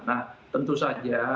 nah tentu saja